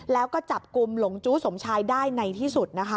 แล้วก็จับกลุ่มหลงจู้สมชายได้ในที่สุดนะคะ